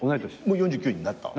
もう４９になった？